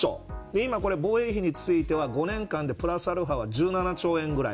今、防衛費については５年間でプラスアルファ１７兆円ぐらい。